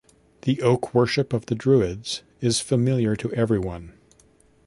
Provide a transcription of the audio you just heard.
The oak-worship of the Druids is familiar to everyone.